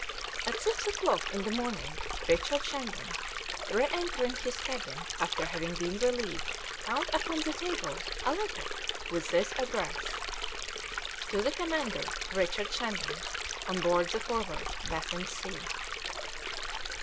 At six o'clock in the morning Richard Shandon, re entering his cabin after having been relieved, found upon the table a letter with this address: "To the Commander, "RICHARD SHANDON, "On board the 'FORWARD,' "Baffin's Sea."